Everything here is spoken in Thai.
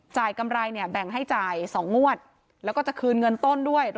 กำไรเนี่ยแบ่งให้จ่าย๒งวดแล้วก็จะคืนเงินต้นด้วย